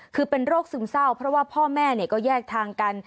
คือเป็นโรคซึมเศร้าเพราะว่าพ่อแม่ก็แยกทางกัน